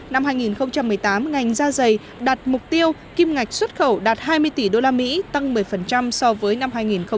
năm hai nghìn một mươi tám ngành da dày đạt mục tiêu kim ngạch xuất khẩu đạt hai mươi tỷ usd tăng một mươi so với năm hai nghìn một mươi bảy